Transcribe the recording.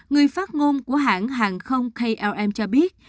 người phát ngôn của hãng hàng không klm cho biết